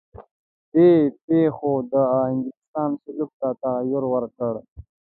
دې پېښو د انګلیسیانو سلوک ته تغییر ورکړ.